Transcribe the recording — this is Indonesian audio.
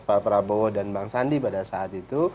pak prabowo dan bang sandi pada saat itu